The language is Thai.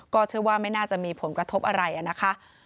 เชื่อว่าไม่น่าจะมีผลกระทบอะไรนะคะ